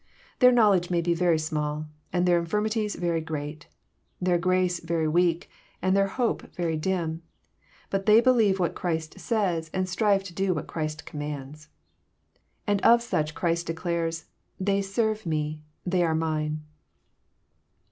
Their knowledge may be very small, and their infirmities very great ; their grace very weak, and their hope very dim. But they believe what Christ says, and strive to do what Christ commands. And of such Christ declares, " They serve Me, they are mine."